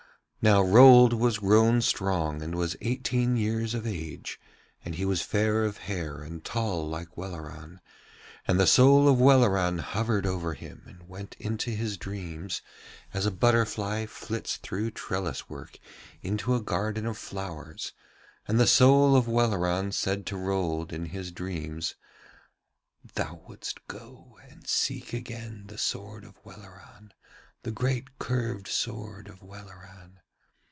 Now Rold was grown strong and was eighteen years of age, and he was fair of hair and tall like Welleran, and the soul of Welleran hovered over him and went into his dreams as a butterfly flits through trellis work into a garden of flowers, and the soul of Welleran said to Rold in his dreams: 'Thou wouldst go and see again the sword of Welleran, the great curved sword of Welleran.